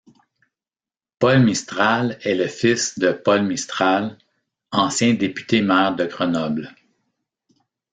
Paul Mistral est le fils de Paul Mistral, ancien député-maire de Grenoble.